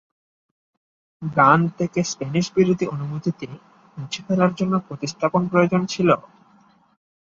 গান থেকে স্প্যানিশ বিরোধী অনুভূতিতে মুছে ফেলার জন্য প্রতিস্থাপন প্রয়োজন ছিল।